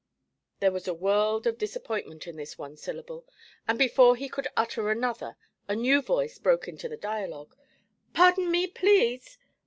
There was a world of disappointment in this one syllable, and before he could utter another a new voice broke into the dialogue. 'Pardon me, please!